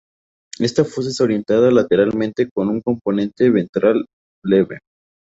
Esta fosa se orientaba lateralmente con un componente ventral leve.